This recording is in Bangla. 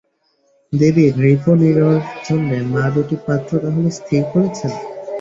দিদি, নৃপ-নীরর জন্যে মা দুটি পাত্র তা হলে স্থির করেছেন?